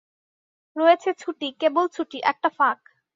রয়েছে ছুটি, কেবল ছুটি, একটা ফাঁক।